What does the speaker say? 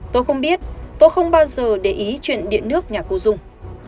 tôi không biết tôi không bao giờ để ý chuyển điện nước nhà cô dung